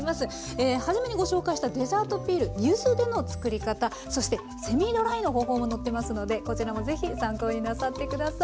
え初めにご紹介したデザートピール柚子でのつくり方そしてセミドライの方法も載ってますのでこちらもぜひ参考になさって下さい。